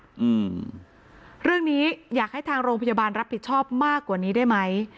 อืมเรื่องนี้อยากให้ทางโรงพยาบาลรับผิดชอบมากกว่านี้ได้ไหม